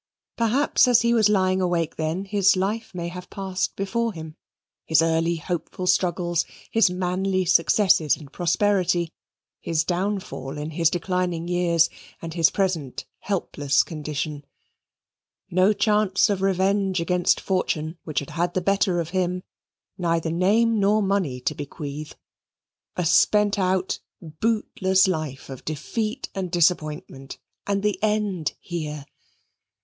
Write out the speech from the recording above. Perhaps as he was lying awake then, his life may have passed before him his early hopeful struggles, his manly successes and prosperity, his downfall in his declining years, and his present helpless condition no chance of revenge against Fortune, which had had the better of him neither name nor money to bequeath a spent out, bootless life of defeat and disappointment, and the end here!